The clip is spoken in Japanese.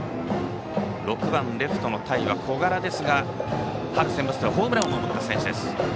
６番レフトの田井は小柄ですが春センバツではホームランを打った選手。